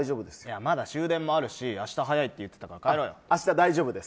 まだ終電もあるし明日、早いって言ってたから明日大丈夫です。